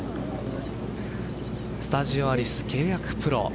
スタジオアリス契約プロ